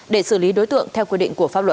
để xử lý đối tượng theo quy định của pháp luật